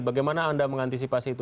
bagaimana anda mengantisipasi itu